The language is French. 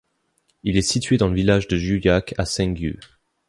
Il est situé dans le village de Jukak à Seungju.